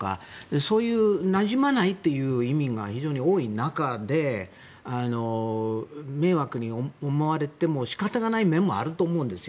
そういうなじまないという移民が非常に多い中で迷惑に思われても仕方がない面もあると思うんですよ。